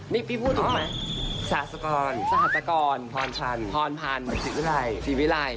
นี่พี่พูดถึงไหมศาสกรสหกรพรพันธ์ศรีวิรัยศรีวิรัย